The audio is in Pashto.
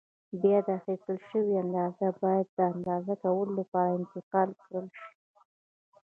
بیا دا اخیستل شوې اندازه باید د اندازه کولو لپاره انتقال کړای شي.